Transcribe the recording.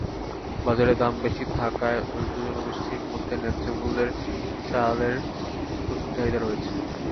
বাজারে দাম বেশি থাকায় দরিদ্র জনগোষ্ঠীর মধ্যে ন্যায্যমূল্যের চালের প্রচুর চাহিদা রয়েছে।